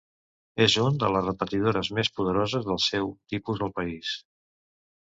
És un de les repetidores més poderoses del seu tipus al país.